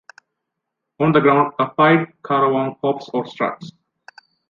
On the ground, a pied currawong hops or struts.